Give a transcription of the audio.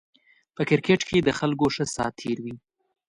په کرکېټ کې د خلکو ښه سات تېر وي